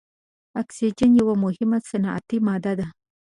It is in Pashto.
اکسیجن یوه مهمه صنعتي ماده ده.